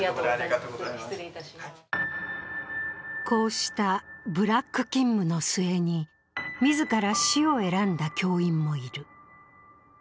こうしたブラック勤務の末に、自ら死を選んだ教員もいる。